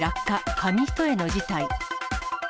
紙一重の事態。